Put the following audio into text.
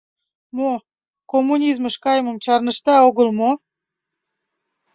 — Мо, коммунизмыш кайымым чарнышда огыл мо?